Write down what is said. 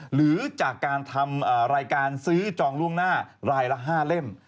หรือจากการทำรายการซื้อจองล่วงหน้ารายละ๕เล่ม